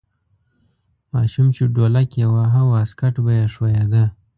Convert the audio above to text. ماشوم چې ډولک یې واهه واسکټ به یې ښویده.